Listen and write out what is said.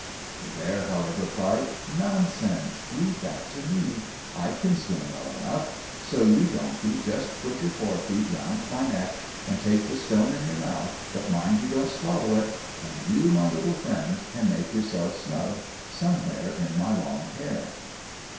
The Bear, however, cried, "Nonsense, leave that to me, I can swim well enough, so you, Donkey, just put your fore feet round my neck, and take the stone in your mouth, but mind you don't swallow it; and you, my little Friend, can make yourself snug somewhere in my long hair."